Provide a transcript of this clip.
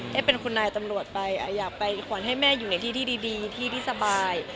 ให้เป็นคุณนายตำรวจไปอยากไปขวัญให้แม่อยู่ในที่ที่ดีที่ที่สบาย